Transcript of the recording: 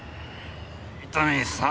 伊丹さん。